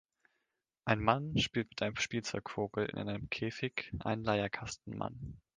Ein Mann spielt mit einem Spielzeugvogel in einem Käfig einen Leierkastenmann.